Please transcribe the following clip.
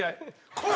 怖い！